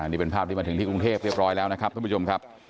นี่เป็นภาพที่มาถึงที่กรุงเทพเรียบร้อยแล้วนะครับท่านผู้ชมครับ